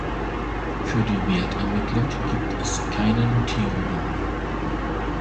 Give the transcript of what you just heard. Für die Wertermittlung gibt es keine Notierungen.